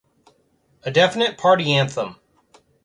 A definite party anthem.